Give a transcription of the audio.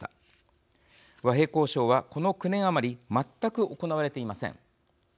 和平交渉はこの９年余り全く行われていません。